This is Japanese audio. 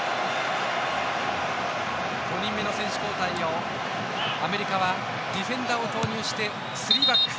５人目の選手交代をアメリカはディフェンダーを投入してスリーバック。